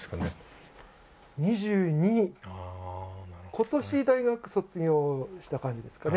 今年大学卒業した感じですかね